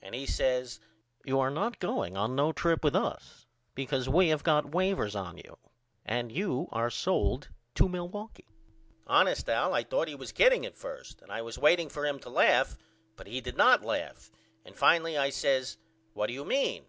And he says You are not going on no trip with us because we have got wavers on you and you are sold to Milwaukee. Honest Al I thought he was kidding at first and I was waiting for him to laugh but he did not laugh and finally I says What do you mean?